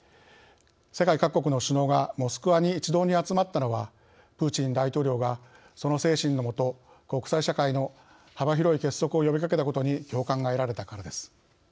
世界各国の首脳がモスクワに一堂に集まったのはプーチン大統領が、その精神の下国際社会の幅広い結束を呼びかけたことに共感が得られたからです。